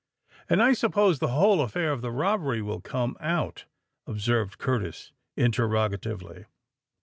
"And I suppose the whole affair of the robbery will come out?" observed Curtis interrogatively.